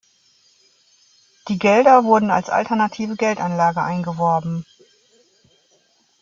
Die Gelder wurden als alternative Geldanlage eingeworben.